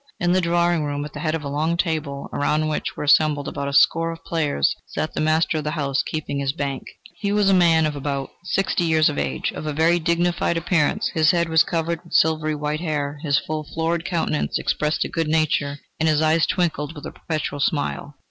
In the drawing room, at the head of a long table, around which were assembled about a score of players, sat the master of the house keeping the bank. He was a man of about sixty years of age, of a very dignified appearance; his head was covered with silvery white hair; his full, florid countenance expressed good nature, and his eyes twinkled with a perpetual smile.